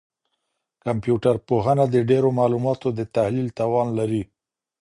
کمپيوټر پوهنه د ډېرو معلوماتو د تحلیل توان لري.